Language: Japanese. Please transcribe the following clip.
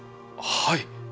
はい！